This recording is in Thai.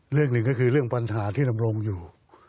เรื่องหนึ่งก็คือเรื่องปัญหาที่ดำรงอยู่